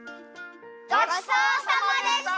ごちそうさまでした！